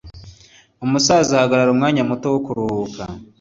umusaza ahagarara umwanya muto wo kuruhuka